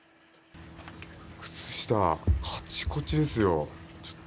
靴下、カチコチですよ。